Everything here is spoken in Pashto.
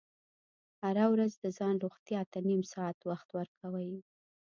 هره ورځ د ځان روغتیا ته نیم ساعت وخت ورکوئ.